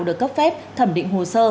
được cấp phép thẩm định hồ sơ